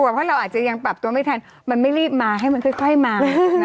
เพราะเราอาจจะยังปรับตัวไม่ทันมันไม่รีบมาให้มันค่อยมา